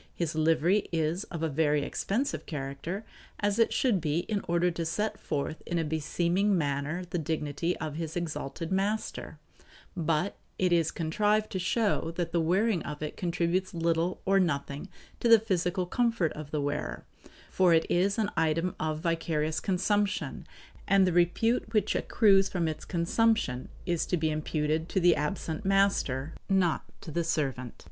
His livery is of a very expensive character, as it should be in order to set forth in a beseeming manner the dignity of his exalted master; but it is contrived to show that the wearing of it contributes little or nothing to the physical comfort of the wearer, for it is an item of vicarious consumption, and the repute which accrues from its consumption is to be imputed to the absent master, not to the servant.